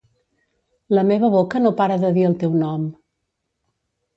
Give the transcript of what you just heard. La meva boca no para de dir el teu nom.